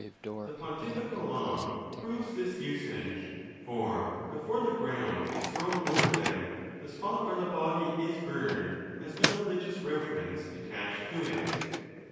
'The pontifical law proves this usage, for before the ground is thrown over them, the spot where the body is burned has no religious reverence attached to it.